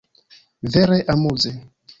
Vere amuze!